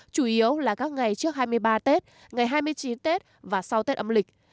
chủ yếu là các ngày trước hai mươi ba tết ngày hai mươi chín tết và sau tết âm lịch